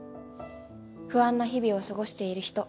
不安な日々を過ごしている人